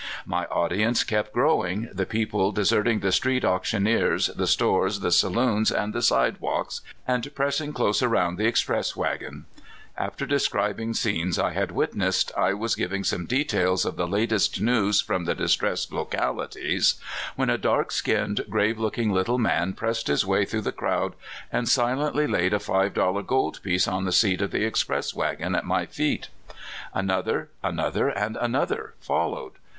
My audience kept growing, the people deserting the street auctioneers, the stores, the saloons, and the sidewalks, and press ing close around the express wagon. After describ ing scenes I had witnessed, I was giving some de tails of the latest news from the distressed locali ties, when a dark skinned, grave looking little man pressed his way through the crowd, and silently laid a five dollar gold piece on the seat of the express wagon, at my feet. The effect was electric. Another, another, and another followed.